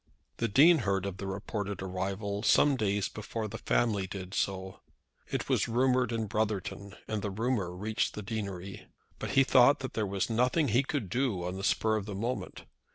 The Dean heard of the reported arrival some days before the family did so. It was rumoured in Brotherton, and the rumour reached the deanery. But he thought that there was nothing that he could do on the spur of the moment.